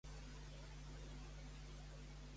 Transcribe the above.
El Patllari és qui li menciona el remei?